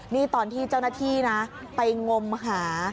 นี่ตอนที่เจ้าหน้าที่นะไปงมหา